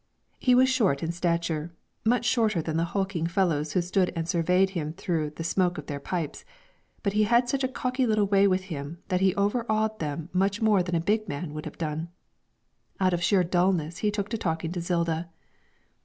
He was short in stature, much shorter than the hulking fellows who stood and surveyed him through the smoke of their pipes, but he had such a cocky little way with him that he overawed them much more than a big man would have done. Out of sheer dulness he took to talking to Zilda.